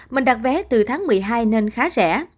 mình đặt vé từ tháng một mươi hai nên khá rẻ